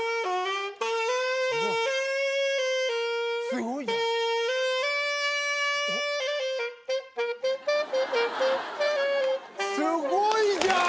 すごいじゃん。